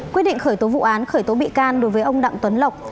quyết định khởi tố vụ án khởi tố bị can đối với ông đặng tuấn lộc